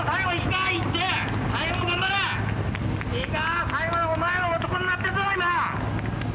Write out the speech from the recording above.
いいか、最後、お前は男になっているぞ、今！